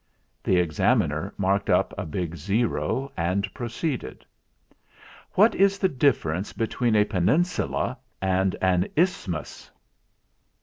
The Examiner marked up a big O, and pro ceeded. "What is the difference between a peninsula and an isthmus